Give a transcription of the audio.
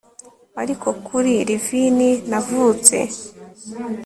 Ariko kuri livin Navutse